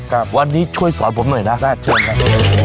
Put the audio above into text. ครับวันนี้ช่วยสอนผมหน่อยนะถ้าเชิญกัน